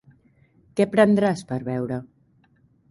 Què prendràs per beure?